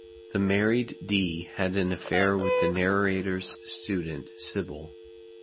The married D. had an affair with the narrator's student Sybil.